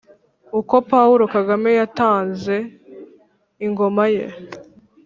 “uko paulo kagame yatanze ingoma ye